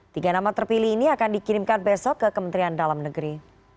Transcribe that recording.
tiga nama terpilih ini akan dikirimkan besok ke kementerian dalam negeri